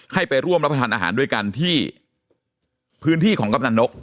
ให้ไปร่วมรับประทานอาหารด้วยกันที่พื้นที่ของกำนันนก